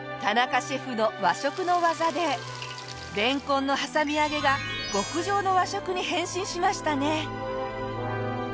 田中シェフの和食の技でれんこんのはさみ揚げが極上の和食に変身しましたね！